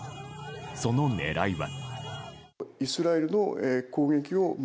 その狙いは。